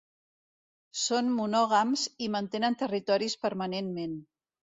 Són monògams i mantenen territoris permanentment.